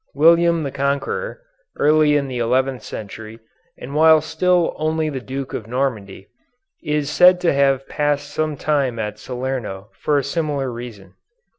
William the Conqueror, early in the eleventh century and while still only the Duke of Normandy, is said to have passed some time at Salerno for a similar reason.